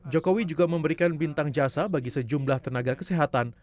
jokowi juga memberikan bintang jasa bagi sejumlah tenaga kesehatan